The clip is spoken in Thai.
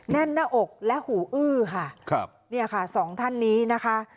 แน่นหน้าอกและหูอื้อค่ะครับเนี่ยค่ะสองท่านนี้นะคะ